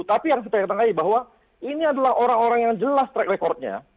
tapi yang saya katakan tadi bahwa ini adalah orang orang yang jelas track recordnya